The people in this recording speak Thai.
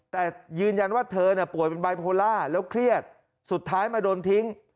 แต่ยืนยันว่าเธอป่วยเป็นบายโพล่าแล้วเครียดสุดท้ายมาโดนทิ้ง